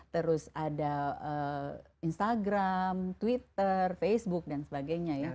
terus ada instagram twitter facebook dan sebagainya ya